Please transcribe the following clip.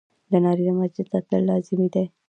د نارينه مسجد ته تلل لازمي دي.